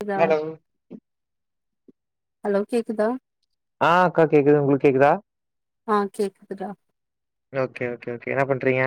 கேக்குதா hello hello கேக்குதா அ அக்கா கேக்குது உங்குளுக் கேக்குதா ஆ கேக்குதுடா ஓகே ஓகே ஓகே என்ன பண்றீங்க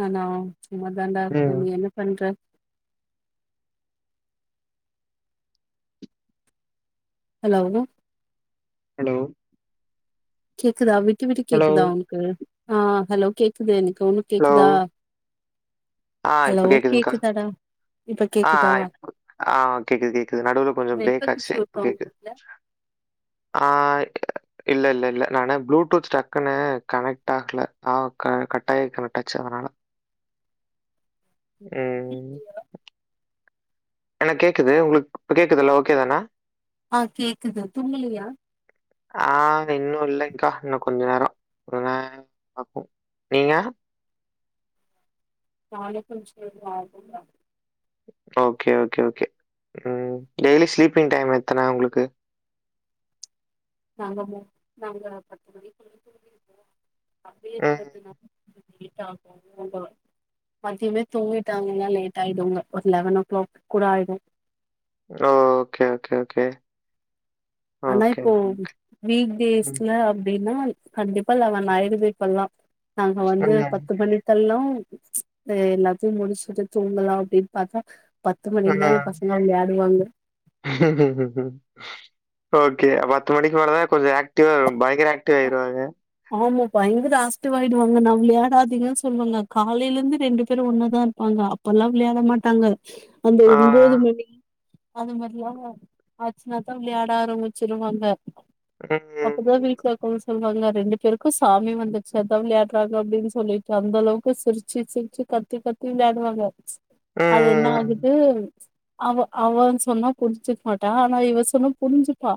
நானா சும்மா தாண்டா இருக்கே ம் நீ என்ன பண்ற ஹலோ ஹலோ கேக்குதா வி ட்டு விட்டு ஹலோ கேக்குதா உனக்கு அ ஹலோ கேக்குது எனக் உனுக் ஹலோ கேக்குதா ஹலோ கேக்குதாடா இப்ப அ கேக்குதா அ அ கேக்குது கேக்குது நடுவுல கொஞ்சோ பிரேக் நெட்வொர்க் ஆச்சு இஷ்யூ இப்ப இருக்கா உங்க கேக்குது வீட்ல அ இல்ல இல்ல இல்ல நானு ப்ளூடூத் டக்குன்னு கனெக்ட் ஆகல அ க கட்டாயுருக்கு டச்சு அதனால ம் எனக் கேக்குது உங்குளுக் கேக்குதுல்ல ஓகே தான ஆ கேக்குது தூங்கலையா ஆஹ் இன்னு இல்லக்கா இன்னு கொஞ்ச நேரொ கொஞ்ச நேரொ ஆகு நீங்க நானே குளிச்சிட்டு [unintelligible] ஓகே ஓகே ஓகே உம் டெய்லி ஸ்லீப்பிங் டைம் எத்தன உங்களுக்கு நாங்க மொ நாங்க பத்து மணிக்குள்ள தூங்கிருவோ அப்டியே [unintelligible] லேட் ஆகு தூங்கல மத்தியமே தூங்கிட்டாங்கன்னா லேட் ஆயுடூங்க ஒரு லெவன் ஓ கிளாக் கூட ஆயிடு ஓகே ஓகே ஓகே ஆனா இப்போ ம். வீக்டேஸ்ல அப்டின்னா கண்டிப்பா லவ்வன் ஆய்டுது இப்பல்லா நாங்க வந்து ம். பத்து மணிதள்ளு த எல்லாத்தையு முடிச்சுட்டு தூங்கலா அப்டின்னு பாத்தா பத்து ஆ. மணிக்குதா எ பசங்க விளையாடுவாங்க ஓகே பத்து மணிக்கு மேலத்தா கொஞ்சொ ஆக்டிவா பய் ங்கற ஆக்டிவ் ஆய்ருவாங்க ஆமா பயங்கர ஆஸ்டுவாயிடுவாங்க நா விளையாடாதிங்கன்னு சொல்லுவங்க காலைல இருந்து ரெண்டு பேரு ஒன்னதா இருப்பாங்க அப்பல்லா விளையாட மாட்டாங்க அந்த ஆ. ஒம்போது மணி அது மாரில்லா ஆச்சுனாத்தா விளையாட ஆரம்பிச்சிருவாங்க ஹ் ஹ் அப்பதா வீட்ல ம் சொல்லுவாங்க ரெண்டு பேருக்கு சாமி வந்துருச்சு அதா விளையாடுறாங்க அப்படின்னு சொல்லிட்டு அந்த அளவுக்கு சிரிச்சு சிரிச்சு கத்தி கத்தி விளையாடுவாங்க அது என்ன ம். ஆகுது அவ அவன் சொன்னா புரிஞ்சுக் மாட்டா ஆனா இவ சொன்னா புரிஞ்சுப்பா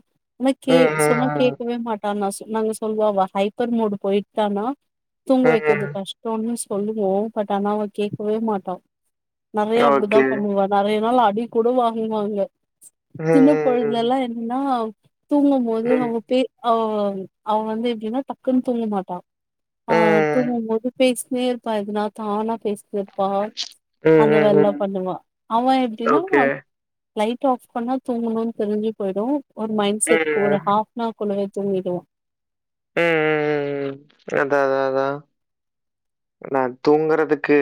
ம். உனக்கே சொன்னா ம். கேக்கவே மாட் ட்டா நா சொ நாங்க சொல்லுவோ அவ ஹைப்பர் மோடு போய்ட்டானா தூங்க ம். ம். வைக்கறது ம். கஷ்டோனு சொ சொல்லுவோ பட் ஆனா அவ கேக்கவே மாட்டா நெறய அப்படிதா ஓகே. பண்ணுவா நெறய நாள் நா அ டி கூட வாங்குவாங்க சின்ன ம். பொழுதுலலா என்னனா தூங்கும் போது ம். ம். அவங்க பே அவென் அவன் வந்து எப்படின்னா டக்குன்னு தூங்க மாட்டா அ ம். தூங்கும் போது பேச் நேர்ப்பாதுனா தானா பேச செர்ப்பா ம். அந்த ம். வேல்லா ம். பண்ணுவா அவன் எப்படின்னா ஓகே. லைட் ஆஃப் பண்ணா தூங்கணுனு தெரிஞ்சு போயிடு ஒரு மைண்ட் ம். செட்கு ஒரு ம். ஹாஃப்னா புள்ளங்ங தூங்கிடு உஹ் உஹ் உம் உம் அதா அதா அதா நா தூங்குறதுக்கு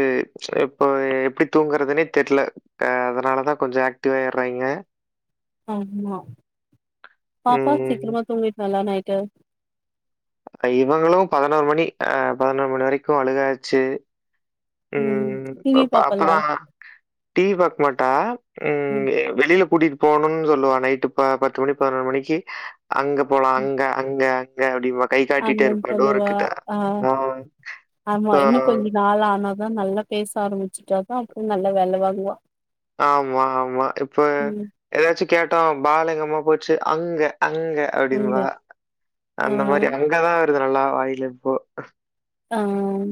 இப்போ எப்டி தூங்குறதுன்னே தெரில ஹ அதனாலதா கொஞ்சோ ஆக்டிவா ஆயுடுறாங்க ஆமா பாப்பா ம். சீக்கிரமா தூங்கிட்றால நை டு அ இவங்களு பதினோரு மணி அஹ் பதினோரு மணி வரைக்கு அழுகாச்சு ம் உம் பா டிவி பாப்பலா பாப்பதா அமா டீவி பாக்க மாட்டா ம் உம் அ வெளியில கூட்டிட் போணும்னு சொல்லுவா நைட்டு ப பத்து மணி பதினொரு மணிக்கு அங்க போலா அங்க அங்க ஏ அப்டி பா அங்கன்னு சொல்லுவா ஆஹ் ஆ. ஆமா ஆ. இன்னு கொஞ்சோ நாள் ஆனா தா நல்லா பேச ஆரம்பிச்சுட்டாதா அப்புற நல்லா வேல வாங்குவா ஆமா ஆமா இப்ப ம் ஏதாச்சு கேட்டா பாலிங்கம்மா போச்சு அங்க அங்க அங்க அப்டிம்பா ஆ அந்த மாரி அங்கதா ருது நல்லா வாயில இப்போ ஆஹ்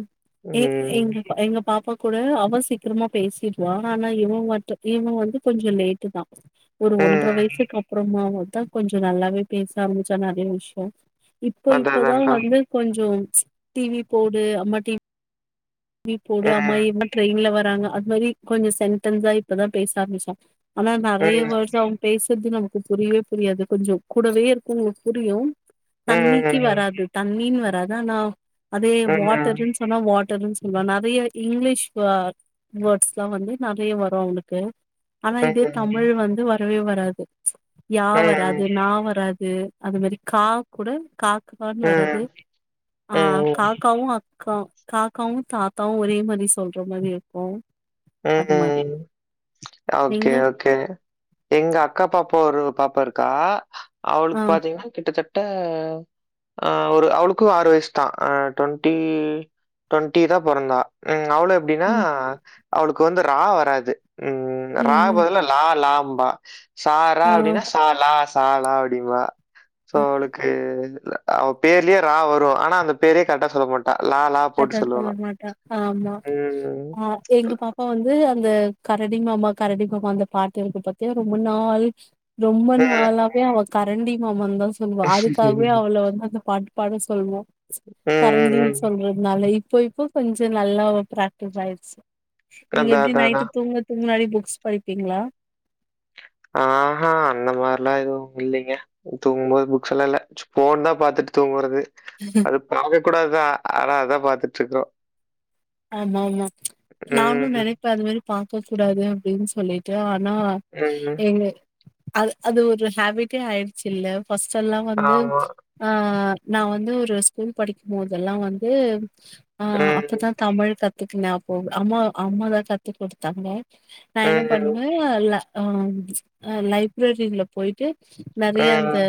எ எங்க ம். எங்க பாப்பாவுக் கூட அவ சீக்கிரமா பேசிடுவான ஆனா இவ மட்ட இவ வந்து கொஞ்சொ லேட்டு தா ஒரு ஒன்ற ம். வயசுக்கு அப்புறொ தா வரு தா கொஞ்சொ நல்லாவே பேச ஆரம்பிச்சா நெறைய விஷயொ இப்போ அதான் இப்பதா அதான்க்கா. வந்து கொஞ்சோ டிவி போடு அம்மா டி வி போடு ஆம்மா ம். இன்னொ ட்ரெயின்ல வர் ராங்க அது மாதிரி கொஞ்சொ சென்டன்ஸா இப்பதா பேச ஆரம்பிச்சா ஆனா நெறைய ம். வேர்ட்ஸ் அவ பேச் சற்து நமக்கு புரியவே புரியாது கொஞ்சோ கூடவே இருக்கவங்களுக்கு புரியு தண்ணிக்கு ம், வராது தண் மீன் வராது ஆனா அதே ம், ம், வாட்டருன்னு சொன்னா வாட் டர்னுச் வா நெறைய இங்கிலீஷ் வே வேர்ட்ஸ்ல்லா வந்து நெறைய வரு அவனுக்கு ஆனா இது தமிழ் ம், வந்து வரவே வராது யா வராது ம், நா வராது இது அது மாறி கா கூட கான்னு வராது ம், ஆ காக்காவு கா காக்காவு தாத்தாவு ஒரே மாதிரி சொல்ற மாறி இருக்கு உம் அது மாரி ம் ஓகே நீங்க ஓகே எங்க அக்கா பாப்பா ஒரு பாப்பா இருக்கா ஆ அவளுக்கு பாத்தீங்கன்னா கிட்டத்தட்ட கிட்டத்தட்ட ஒரு அவளுக்கும் ‌ஆறு வயசு தான் ட்வெண்டி ட்வெண்டி தா பொறந்தா ம் அவளும் எப்படின்னா ம் அவளுக்கு வந்து ரா வராது உம் ரா ம் ம் பதுல்ல லா லா பா சாரா ஆ அப்படின்னா சாலா சாலா அப்படிம்பா சோ அவளுக்கு அவ பேர்லேயே ரா வரும் ஆனா அந்த பேரே கரெக்டா சொல்ல மாட்ட கரெக்ட்டா சொல்ல மாட்டா ஆமா ம். ஆ எங்க பாப் பா வந்து அந்த கரடி மாமா கரடி மாமா அந்த பாட்டு இருக்கு பாத்தியா ரொம்ப நாள் ரொம்ப ம். நாளாவே அவ கரண்டி மாமான்னு‌தா சொல்லுவா அதுக்காகவே அவள வந்து அந்த பாட்டு பாட சொல்லுவோ ம், ம். கரண்டின்னு சொல்றது அவள ‌இப்போ இப்போ கொஞ்ச நல்லா ப்ராக்டிஸ் ஆயடுச்சு நீங்க அதான், எப்டி அதான், நைட்டு அதான். தூங்கறதுக்கு முன்னாடி புக்ஸ் படிப்பீங்களா ஆ அ அந்த மாறில்லா எதுவு இல்லைங்க தூங்கும்போது புக்ஸ்ல்லா இல்ல ஃபோன்னு தா பாத்துட்டு தூங்கறது அது பாக்க கூடாது தா ஆனா அதா பாத்துட் இருக்கோ ஆமா ஆமா நானு நெனப்பெ அந்த மாரி பாக்க கூடாது அப்படின் சொல்லிட்டு ஆனா ம். எங்க அது அது ஒரு ஹேபிட்டே ஆயிடுச்சு இல்ல ஃபர்ஸ்ட்டல்லா வந்து ஆமா. ஆஹ் நா வந்து ஒரு ஸ்கூல் படிக்கும் போதெல்லா வந்து ஆஹ் அப்பதா ம். [unintelligible] கத்துக்குன அப்போ அம்மா அம்மா தா கத்துக் குடுத்தாங்க நா என்ன ம். பண்ணுவே ல ஆ லைப்ரரியில போயிட்டு நறைய அந்த ம்.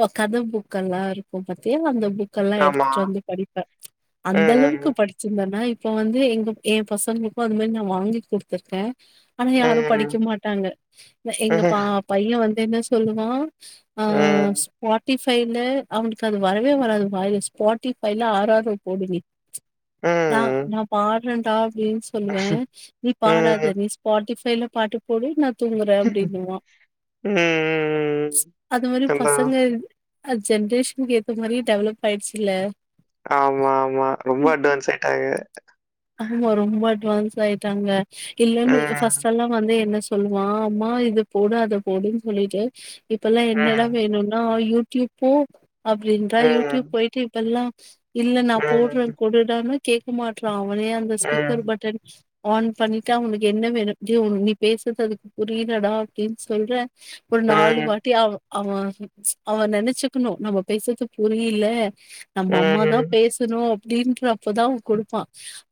ஓ கத புக்கல்லாருக்கு பத்தியா அந்த புக் க்கல்லா ஆமா. எடுத்துட்டு வந்து படிப்ப அந்தளவுக்கு ம். படி த்தனா இப்ப வந்து எங்க எ பசங்களுக்கு அந்த மாரி நா வாங்கி குடுத்துருக்க ஆனா யாரு படிக்க ம். மாட்டாங்க ம். எங்க பா பைய வந் என்ன சொல்லுவா அஹ் ம். ஸ்பாட் ட்டிபைல அவனுக்கு அது வரவே வராது வாய்ஸ் ஸ்பாட்டிஃபைல ஆறது போடு நீ நா ம். நான் பா இன்னன்டா அப்டின் சொல்லுவ நீ பாடாத ம். நீ ஸ்பாட்டி இப்பேயல்ல பாட்டு போடி நா தூங்குற ம். அப்படின்னுவா ம். அது மாரி அதான். பசங்க அது ஜென்ரேஷனுக்கு ஏத்த மாரியே டெவ்லப் ஆயிடுச்சுல்ல ஆமா ஆமா ரொம்ப அட்வான்ஸ் அ [unintelligible] ஆமா ரொம்ப அட்வான்ஸ் ஆயிட்டாங்க இல்லன இப்ப ம், ஃபஸ்ட்டல்லா வந்து என்ன சொல்லுவா அம்மா இது போடு அத போடுன்னு சொல்லிட்டு இப்பல்லா என்னடா ம், வேணுன்னா யூடியூப் போ அப்டின்றா யூடியூப் ம், போயிட்டு இப்பல்லா இல்ல நா போட்றே ம், குடுடான்னு கேக்க மாட்றா வோரே அந்த ஸ்பீக்கர் ம், பட்டன் ஆன் பண்ணிட்டா உங்ளுக்கு என்ன வேணுட்டு ஒர் நீ பேசுறது அதுக்கு புரியலடா அப்டின் சொல்ற ஒரு நாலு ம், வாட்டி ஆ அவ அவ நெனச்சுக்கணு நம்ம பேசுர்து புரியில நம்ம அம்மாதா ம், பேசணு அப்டின்ற அப்பதா அவ கொடுப்பா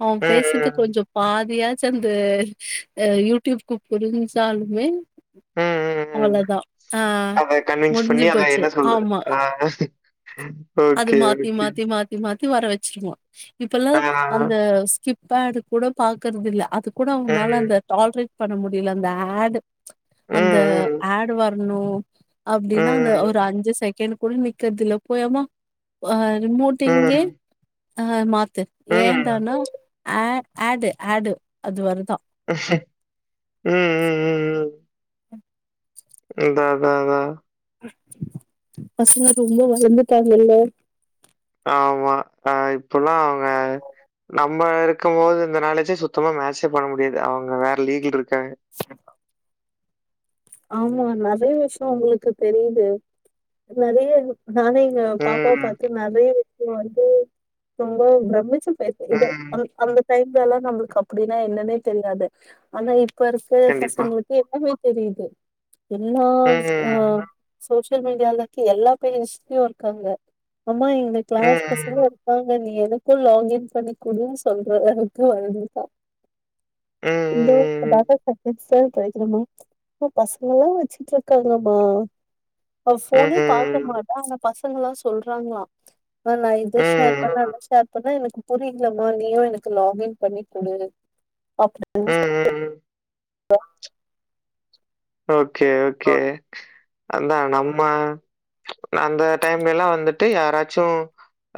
அவம் பேசது ம், கொஞ்சொ பாதியா சந்து யூடியூப்கு புரிஞ்சிசாலுமே உம் உம் உம் அத கன்வின்ஸ் முடிஞ்சு பண்ணி அத போச்சு. என்ன சொல்ர ஆமா. ஆ ஓகே ஓகே து வரவச்சிர்க்னு இப்பல்லா ஆ, அ ஸ்கிப்பேடு கூட பாக்கறதில்ல அ துக்கூட அவுங்னால ம், அந்த டால்ரேட் பண்ண முடியல அந்த ஆடு அந்த ம், ஆடுவ பண்ணூ ம், அப்டினா அந்த ஒரு ம், அஞ்சு செகண்ட் குட நிக்கற்துல்ல பொயாம ஆ ரிமோட்டிங்கே ம், ஆ மாத்து ம், ம், ம், ஏந்தானா ஆ ஆடு ஆடு அது வருதா உம் உம் உம் உம் அதா அதா அதா பசங்க ரொம்பொ வளந்துட்டாங்கல்ல ஆமா அ இப்பல்லா அவுங்க நம்ம இருக்கம்மோது இந்த நாலஜே சுத்தமா மேட்சே பண்ண முடியாது அவுங்க வேற லீகில்ருக் காக ஆமா நெறைய விஷ்யோ அவுங்களுக்கு தெரியிது நெறைய நானே இங்க பாப்பவ் ம். பாத்து நெறையவே வந்து ரொம்ப ப்ரம்மிச்சு அ இது ம். அந் அந்த டைம் லேல்லா நம்ளுக்கு அப்படினா என்னனே தெரியாது ஆனா இப் பருக்க கண்டிப்பா. பசங்களுக்கு எல்லாமே தெரியுது எல்லாம் அஹ் ம். சோசி சியல் மீடியால இருக்க எல்லா பேஜ்லையு இருக்காங்க அம்மா எங்க கிளாஸ் பசங்களு ம். இருக்காங் நீ எனக்கு லாகின் பண்ணிகுடு சொல்ற அளவுக்கு வளந்துட்டா ம். இதோ ம். [unintelligible] சார் [unintelligible] எ பசங்லெல்லா வச்சுட்டுருக்காங்கம்மா அவ ம். ஃபோனே பாக்க ம். மாட்டா ஆன பசங் பசங்ளா சொல்றாங்ளா மா ம். இத ஷேர் ம். பண்ற அத ஷேர் பண்றே அப்பனா எனக்கு புரியலம்மா நீயு எனக்கு லாகின் பண்ணி கொடு அப்டின் [inaudible] சொல் [inaudible] [inaudible] ம். ம் ஓகே ஓகே அதா நம்ம ச்ச் அந்த டைம்ல எல்லா வந்துட்டு யாராச்சு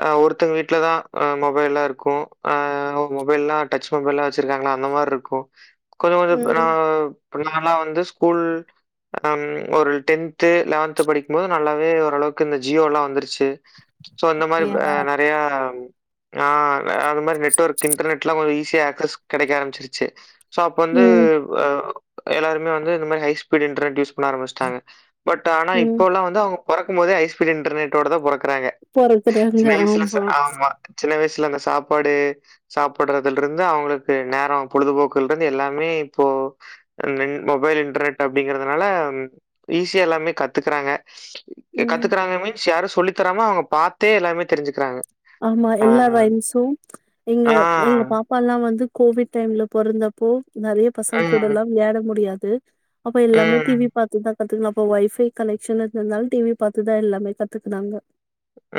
அ ஒருத்தங்க வீட்லதா மொபைல்லா இருக்கு அ மொபைல்லா டச் மொபைல்ல வச்சிருக்காங்களா அந்த மாரிருக்கு கொஞ்சு ம் கொஞ்ச [unintelligible] நம்பளா வந்து ஸ்கூல் அ ம் ஒரு டென்த்து லெவன்த்து படிக்ம்போத் நல்லாவே ஓரளவுக்கு இந்த ஜியோ ல்லா வந்துருச்சு சோ இந்த மாரி ப நெறைய அ அது மாதிரி நெட்வொர்க் இன்டர்நெட்லா கொஞ்சோ ஆக்சஸ் கெடைக்க ஆரம்பிச்சிருச்சு சோ அப்ப வந்து ம் வ எல்லாருமே வந் இந்த மாரி ஹை ஸ்பீடு இன்டர்நெட் யூஷ் [unintelligible] ஆரம்பிஷ்ட்டாங்க பட் ஆனா ம் இப்போல்லா வந்து அவு பொறக்கும் போதே ஹை ஸ்பீட் இன்டர்நெட்டோட தா பொறக் பொறக்குறாங்க ஆமா சின்ன வயசுல அந்த சாப்பாடு சாப்பட்றதுல இருந்து அவுங்களுக்கு நேரோ பொழுதுபோக்குல்ட்ருந்து எல்லாமே இப்போ அ நின் மொபைல் இன்டர்நெட் அப்படிங்கறதுனால ம் ஈஸியா எல்லாமே கத்துக்குறாங்க ம் கத்துக்கறாங்க மீன்ஸ் யாரு சொ சொல்லித்தராம அவுங்க பார்த்தே எல்லாமே தெரிஞ்சுக்கிறாங்க ஆமா ஆ, எல்லா ரைம்ஸும் எங்க ஆ, எங்க பாப்பால்லா வந்து கோவிட் டைம்ல பொறந்தப்போ நெறைய பசங் கூட ம், ம், ல்லா வெளையாட முடியாது அப்ப எல்லாமே டிவி ம், பாத்துதா கத்துக்கலா அப்ப ஒய்ஃபை கனெக்க்ஷன் இருந்தால டிவி பாத்துதா எல்லாமே கத்துக்கனாங்க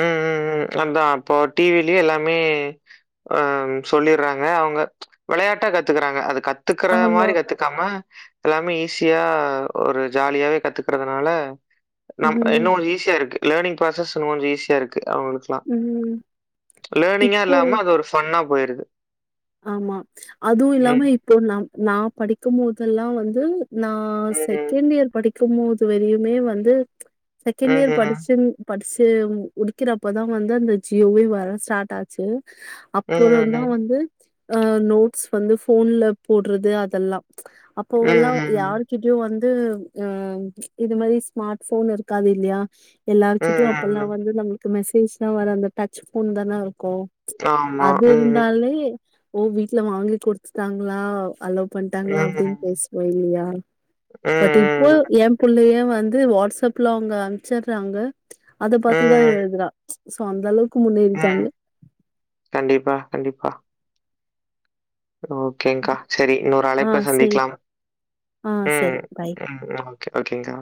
ம் ம் ம் அதா இப்போ டி வி லயே எல்லாமே அ சொல்லிடுறாங்க அவங்க விளையாட்டா கத்துக்கறாங்க அது கத் துக்கற ஆமா மாரி கத்துக்காம எல்லாமே ஈஸி யா ஒரு ஜாலியாவே கத்துக்கறதுனால நம் இன்னு ம் ஈஸியா இருக்கு லேர்னிங் ப்ராசஸ் இன்னு கொஞ்ச ஈ ஸியாருக் கு அவங்களுக்லா ம் லேர்னிங்கா இப்போ இல்லாம அது ஒரு ஃபன்னா போயிருது ஆமா அதுவு ம். இல்லாம இப்போ நம் நா படிக்கும் போதெல்லா வந்து நா ம். செகண்ட் இயர் படி க்கும்போது வரையுமே வந்து செகண்ட் இயர் ம். படிச்சுந் படிச்சு முடிக்கிறப்பதா வந்து அந்த ஜியோவே வர ஸ்டார்ட் ஆச்சு அப்பறந்தா ம். வந்து அ நோட்ஸ் வந்து போன்ல போடுறது அதெல்லா அப்போல்லா ம். யாருகிட்டயு வந் வந்து அ இது மாதிரி ஸ்மார்ட் போன் இருக்காது இல்லையா எல்லாருக்கிட்டையு அப்போல்லா ம். வந்து நம்ம மெசேஜ் தா வர அந்த டச் போன் தான கு ஆமா. அது ம். இருந்தாலே ஓ வீட்ல வாங்கி கொடுத்துட்டாங்களா அல்லோ பண்ணிட்டாங்களா அப்படின்னு ம். பேசுவோ இல்லையா பட் இப்போ ம். ம். எ பிள்ளய வந்து வாட்ஸ்அப்ல அவங்க அனுப்ச்சடுறாங்க அத பாத்துதா எழுதுறா சோ அந்த அளவ உம் கண்டிப்பா கண்டிப்பா செரி ஓக்கேங்க கா சரி இன்னொரு ஆ அளைப்பு போல சரி சந்திக்கலா ஆ உம் சரி பாய் ஓகேங்கா